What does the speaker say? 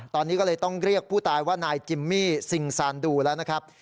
ตอนนี้ก็เลยต้องเรียกผู้ตายว่านายจิมมี่ซิงซานดูแล้วนะครับ